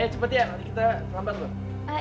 ayah cepet ya nanti kita pelan pelan dulu